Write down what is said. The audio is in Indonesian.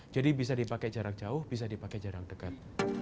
jadi bisa dipakai jarak jauh bisa dipakai jarak dekat